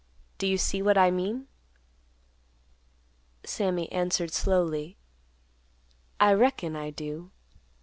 Do you see what I mean?" Sammy answered slowly, "I reckon I do.